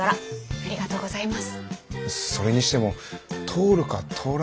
ありがとうございます。